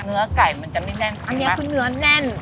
เนื้อไก่มันจะไม่แน่น